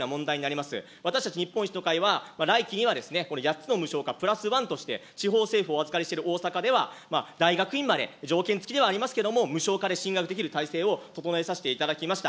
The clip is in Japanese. けれども私たち、日本維新の会は来期には、この８つの無償化プラス１として地方政府をお預かりしている大阪では大学院まで条件つきではありますけれども、無償化で進学できる体制を整えさせていただきました。